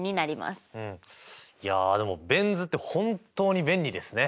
いやでもベン図って本当に便利ですね！